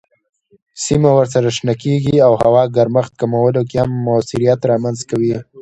سیمه ورسره شنه کیږي او هوا ګرمښت کمولو کې هم موثریت رامنځ کوي.